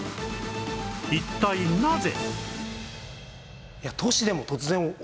一体なぜ？